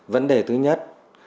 vấn đề thứ nhất